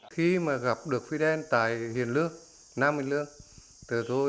khi mà gặp được fidel tại hiền lương nam bình lương